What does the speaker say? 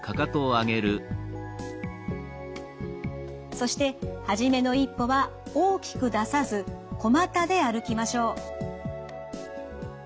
そして初めの一歩は大きく出さず小股で歩きましょう。